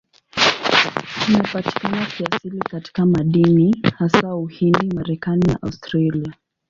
Inapatikana kiasili katika madini, hasa Uhindi, Marekani na Australia.